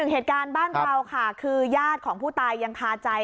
เหตุการณ์บ้านเราค่ะคือญาติของผู้ตายยังคาใจ